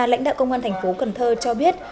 lãnh đạo công an thành phố cần thơ cho biết